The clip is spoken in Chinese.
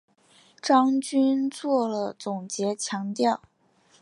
张军作了总结强调